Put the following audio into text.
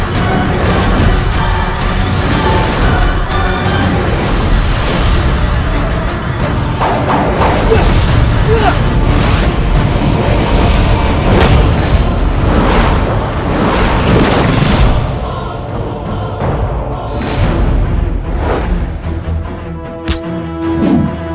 jangan tenaganya kuat banget ini